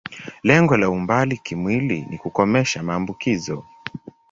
Lengo la umbali kimwili ni kukomesha maambukizo.